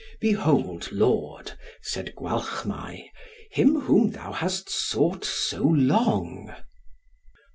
"Behold, lord," said Gwalchmai, "him whom thou hast sought so long."